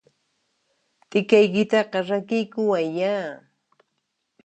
T'ikaykitaqa rakiykuwayyá!